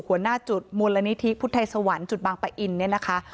หัวหน้าจุดมูลนิธิพุทธไทยสวรรค์จุดบางปะอินเนี่ยนะคะ